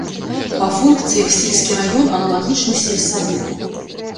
Па функцыях сельскі раён аналагічны сельсавету.